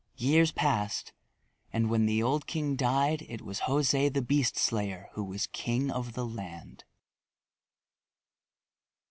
Years passed, and when the old king died it was José the Beast Slayer who was king of the land.